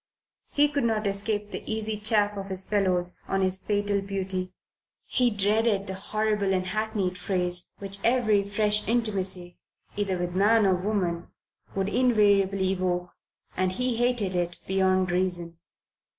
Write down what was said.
He could not escape the easy chaff of his fellows on his "fatal beauty." He dreaded the horrible and hackneyed phrase which every fresh intimacy either with man or woman would inevitably evoke, and he hated it beyond reason.